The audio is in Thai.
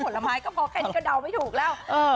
ผลไม้ก็พอแค่นี้ก็เดาไม่ถูกแล้ว